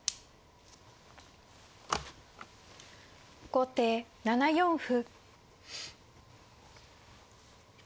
後手７四歩。